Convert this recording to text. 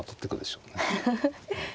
フフフフ。